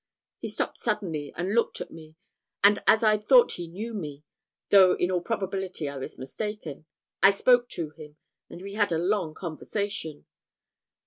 He stopped suddenly, and looked at me; and as I thought he knew me, though in all probability I was mistaken, I spoke to him, and we had a long conversation.